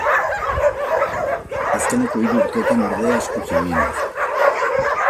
Azkenengo hiru urtetan, ordea, eskuz ibili naiz.